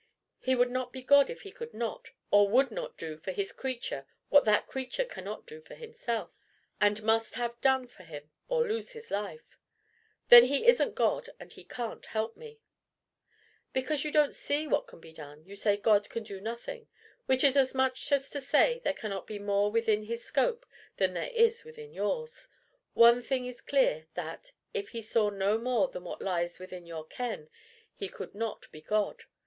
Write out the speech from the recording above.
"He would not be God if he could not or would not do for his creature what that creature cannot do for himself, and must have done for him or lose his life." "Then he isn't God, for he can't help me." "Because you don't see what can be done, you say God can do nothing which is as much as to say there cannot be more within his scope than there is within yours! One thing is clear, that, if he saw no more than what lies within your ken, he could not be God.